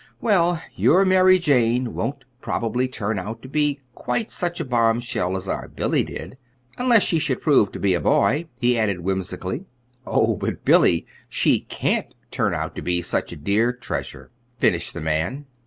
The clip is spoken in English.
"Well, your Mary Jane won't probably turn out to be quite such a bombshell as our Billy did unless she should prove to be a boy," he added whimsically. "Oh, but Billy, she can't turn out to be such a dear treasure," finished the man.